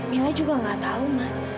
mila juga nggak tahu mbak